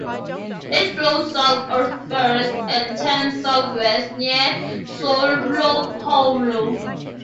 It flows south at first, and turns southwest near Soulopoulo.